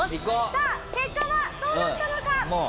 さあ結果はどうだったのか？